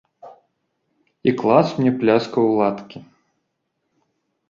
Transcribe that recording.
І клас мне пляскаў у ладкі.